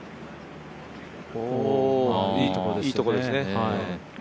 おお、いいところですね。